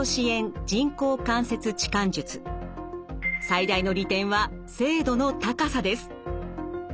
最大の利点は精度の高さです。